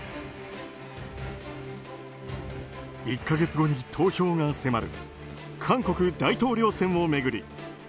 １か月後に投票が迫る韓国大統領選を巡り